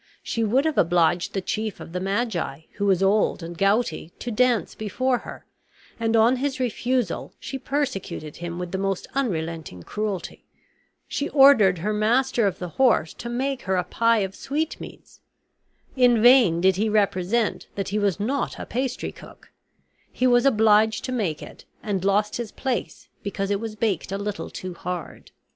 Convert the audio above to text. She would have obliged the chief of the magi, who was old and gouty, to dance before her; and on his refusal, she persecuted him with the most unrelenting cruelty. She ordered her master of the horse to make her a pie of sweetmeats. In vain did he represent that he was not a pastry cook; he was obliged to make it, and lost his place, because it was baked a little too hard.